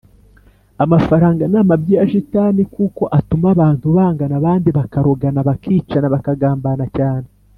amafaranga namabyi ya shitani kuko atuma abantu bangana ,abandi bakarogana, bakicana, bakagambana cyane